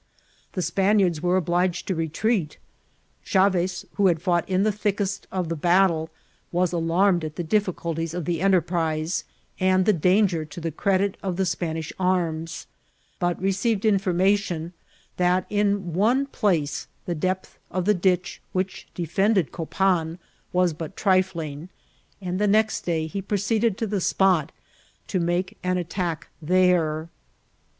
The Spaniards were obliged to retreat. Chaves, who had fought in the thickest of the battle, was alarmed at the difficulties of the enterprise and the danger to the credit of the Spanish arms, but received information that in one place the depth of the ditch which defended Copan was but trifling, and the next day he proceeded to the spot to make an attack there.